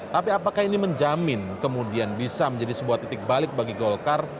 tapi apakah ini menjamin kemudian bisa menjadi sebuah titik balik bagi golkar